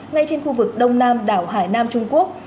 ngay trên khu vực đông nam đảo hải nam trung quốc